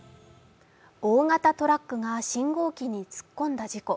大型トラックが信号機に突っ込んだ事故。